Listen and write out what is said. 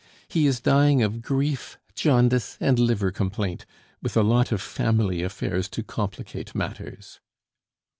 "He is dying of grief, jaundice, and liver complaint, with a lot of family affairs to complicate matters."